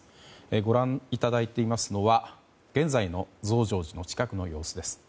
ご覧いただいていますのは現在の増上寺の近くの様子です。